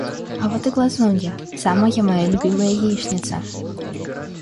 А вот и глазунья, самая моя любимая яичница.